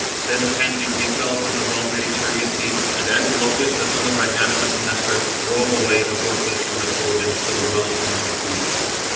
Then, panting, he fell from the well made chariot seat, and Antilochus, the son of magnanimous Nestor, drove away the horses from the Trojans to the well armed Greeks.